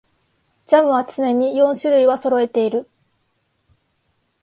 ジャムは常に四種類はそろえている